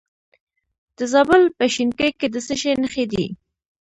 د زابل په شینکۍ کې د څه شي نښې دي؟